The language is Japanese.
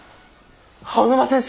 青沼先生。